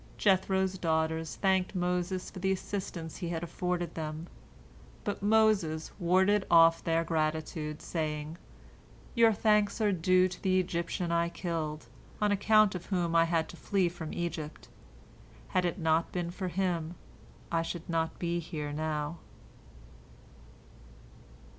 Jethro's daughters thanked Moses for the assistance he had afforded them. But Moses warded off their gratitude, saying, "Your thanks are due to the Egyptian I killed, on account of whom I had to flee from Egypt. Had it not been for him, I should not be here now."